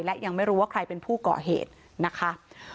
และยังไม่รู้ว่าใครเป็นผู้ก่อเหตุนะคะ